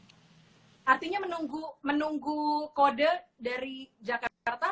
artinya menunggu kode dari jakarta